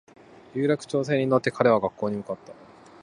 有楽町線に乗って彼は学校に向かった